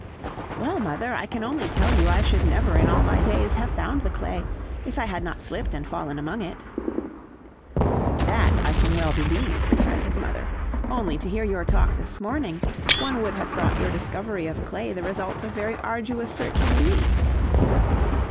"Well, mother, I can only tell you I should never in all my days have found the clay, if I had not slipped and fallen among it." "That I can well believe," returned his mother; "only, to hear your talk this morning, one would have thought your discovery of clay the result of very arduous search indeed."